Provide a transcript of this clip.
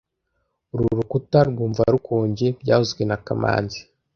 Uru rukuta rwumva rukonje byavuzwe na kamanzi